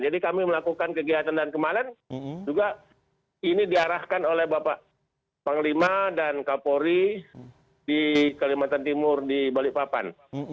jadi kami melakukan kegiatan dan kemarin juga ini diarahkan oleh bapak panglima dan kapolri di kalimantan timur di balikpapan